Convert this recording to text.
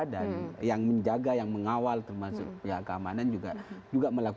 dan yang menjaga yang mengawal termasuk pihak keamanan juga